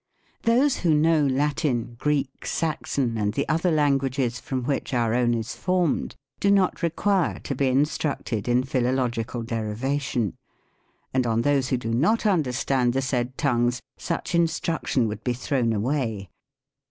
Those who know Latin, Greek, Saxon, and the other languages from which our own is formed, do not require I ETYMOLOGY. 69 to be instructed in philological derivation ; and on those who do not understand the said tongues, such instruc ^ tion would be thrown away.